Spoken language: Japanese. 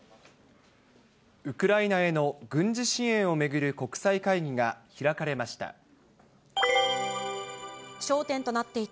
ウクライナへの軍事支援を巡る国際会議が開かれました。